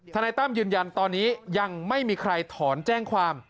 นายตั้มยืนยันตอนนี้ยังไม่มีใครถอนแจ้งความ